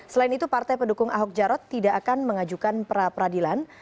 selain itu partai pendukung ahok jarot tidak akan mengajukan pra peradilan